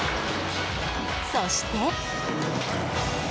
そして。